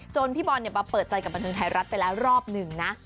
พี่บอลมาเปิดใจกับบันเทิงไทยรัฐไปแล้วรอบหนึ่งนะ